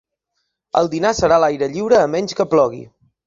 El dinar serà a l'aire lliure a menys que plogui.